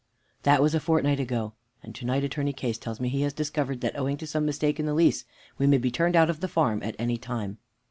'" "That was a fortnight ago, and to night Attorney Case tells me he has discovered that, owing to some mistake in the lease, we may be turned out of the farm at any time.